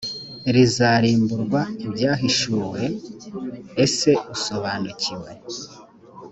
rizarimburwa ibyahishuwe ese usobanukiwe